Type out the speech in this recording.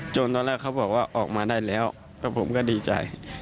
ตอนแรกเขาบอกว่าออกมาได้แล้วแล้วผมก็ดีใจ